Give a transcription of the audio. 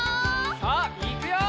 さあいくよ！